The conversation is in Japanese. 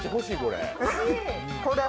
欲しい、これ。